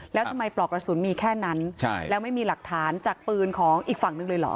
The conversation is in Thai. แล้วทำไมปลอกกระสุนมีแค่นั้นใช่แล้วไม่มีหลักฐานจากปืนของอีกฝั่งนึงเลยเหรอ